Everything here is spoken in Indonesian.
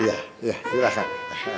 ya ya silakan